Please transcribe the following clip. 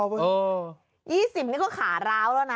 ใช่อือยี่สิบนี่ก็ขาร้าวแล้วน่ะ